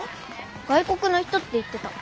外国の人って言ってた。